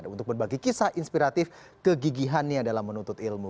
untuk berbagi kisah inspiratif kegigihannya dalam menuntut ilmu